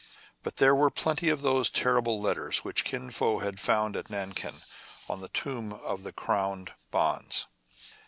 But there were plenty of those terrible letters which Kin Fo had found at Nankin on the tomb of the crowned bonze.